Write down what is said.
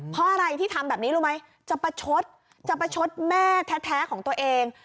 เพราะอะไรที่ทำแบบนี้รู้ไหมจะประชดจะประชดแม่แท้ของตัวเอง